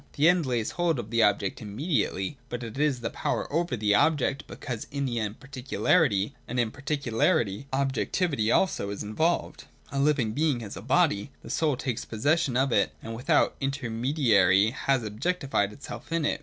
The End lays hold of the object immediately, because it is the power over the object, because in the End particularity, and in particularity objectivity also, is involved.— A living being has a body ; the soul takes possession of it and with out intermediary has objectified itself in it.